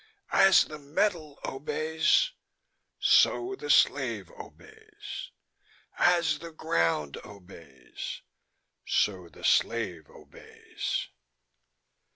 As the metal obeys, so the slave obeys. As the ground obeys, so the slave obeys."